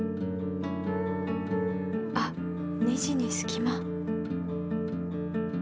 あっネジにすき間。